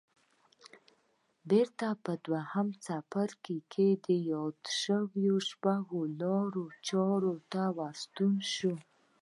بېرته په دويم څپرکي کې يادو شويو شپږو لارو چارو ته ورستانه شئ.